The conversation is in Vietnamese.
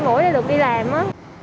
hai mũi để được đi làm á